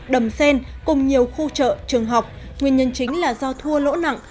đầm xen cùng nhiều khu trợ trường học nguyên nhân chính là do thua lỗ nặng